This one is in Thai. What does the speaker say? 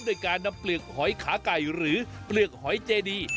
ด้วยการนำเปลือกหอยขาไก่หรือเปลือกหอยเจดี